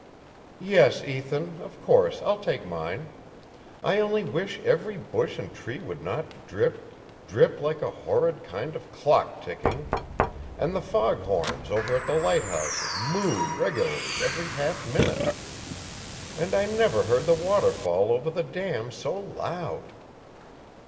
Yes, Ethan; of course I'll take mine. I only wish every bush and tree would not drip, drip like a horrid kind of clock ticking; and the foghorns over at the lighthouses moo regularly every half minute. And I never heard the waterfall over the dam so loud!"